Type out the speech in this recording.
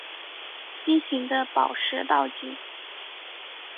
心形的宝石道具。